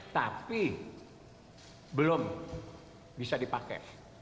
tapi belum bisa dipakai